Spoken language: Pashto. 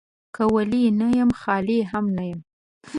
که ولي نه يم ، خالي هم نه يم.